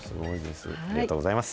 ありがとうございます。